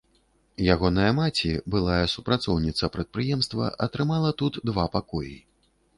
Ягоная маці, былая супрацоўніца прадпрыемства, атрымала тут два пакоі.